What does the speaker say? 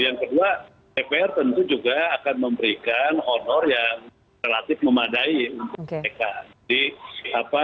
yang kedua dpr tentu juga akan memberikan honor yang relatif memadai untuk mereka